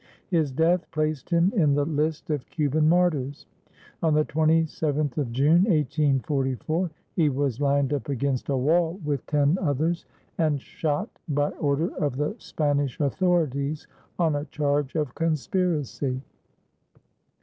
His death placed him in the list of Cuban martyrs. On the 27th of June, 1844, he was lined up against a wall with ten others and shot by order of the Spanish authorities on a charge of conspiracy.